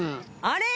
あれ？